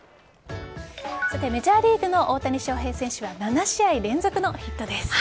さて、メジャーリーグの大谷翔平選手は７試合連続のヒットです。